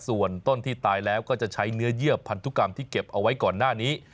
ส่วนต้นที่ตายแล้วก็จะใช้เนื้อเยื่อพันธุกรรมที่เก็บเอาไว้ก่อนหน้านี้